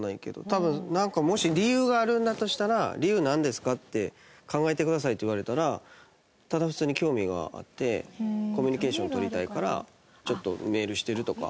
多分なんかもし理由があるんだとしたら「理由なんですか？」って「考えてください」って言われたらただ普通に興味があってコミュニケーション取りたいからちょっとメールしてるとか。